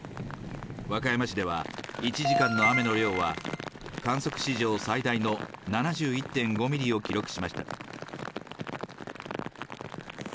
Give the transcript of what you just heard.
和歌山市では１時間の雨の量は、観測史上最大の７１．５ミリを記録しました。